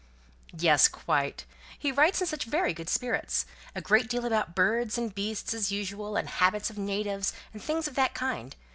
"Yes, quite. He writes in very good spirits. A great deal about birds and beasts, as usual, habits of natives, and things of that kind.